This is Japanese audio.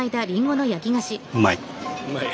うまい！